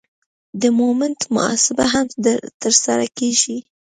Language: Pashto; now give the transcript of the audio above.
د مومنټ محاسبه هم ترسره کیږي